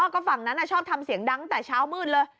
ก็ฝั่งนั้นชอบทำเสียงดังตั้งแต่เช้ามืดเลย